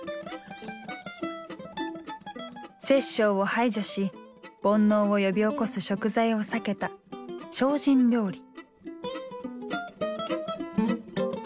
殺生を排除し煩悩を呼び起こす食材を避けた精進料理。